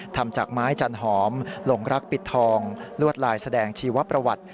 ทำจากไม้จันหอมหลงรักปิดทองลวดลายแสดงชีวประวัติ